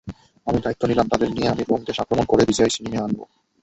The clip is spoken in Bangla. আমি দায়িত্ব নিলাম, তাদের নিয়ে আমি রোম দেশ আক্রমণ করে বিজয় ছিনিয়ে আনব।